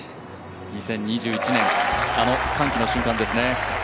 ２０２１年、あの歓喜の瞬間ですね。